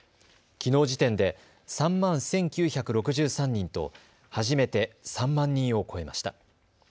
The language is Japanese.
きのう時点で３万１９６３人と初めて３万人を超えました。